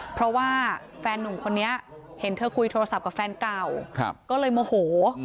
เพราะว่าแฟนนุ่มคนนี้เห็นเธอคุยโทรศัพท์กับแฟนเก่าก็เลยโมโห